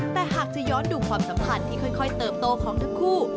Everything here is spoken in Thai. แต่หากจะย้อนดูความสัมพันธ์ที่ค่อยเติบโตของทั้งคู่